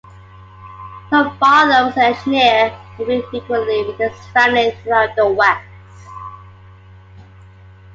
Her father was an engineer, and moved frequently with his family throughout the West.